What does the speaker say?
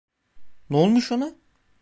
Ne olmuş ona?